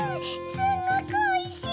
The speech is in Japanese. すっごくおいしい！